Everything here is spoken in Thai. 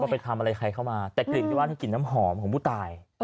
ไปทำอะไรใครเข้ามาแต่กลิ่นที่ว่านี่กลิ่นน้ำหอมของผู้ตาย